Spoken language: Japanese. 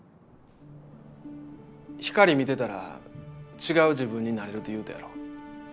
光見てたら違う自分になれるって言うたやろ。